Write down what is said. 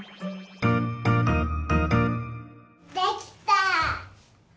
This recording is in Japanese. できた！